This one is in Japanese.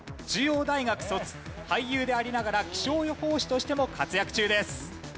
中央大学卒俳優でありながら気象予報士としても活躍中です。